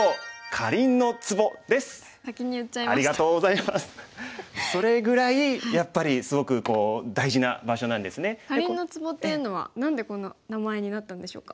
かりんのツボっていうのは何でこんな名前になったんでしょうか。